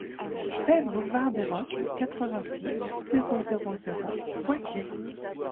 seize boulevard des Rocs, quatre-vingt-six, zéro zéro zéro, Poitiers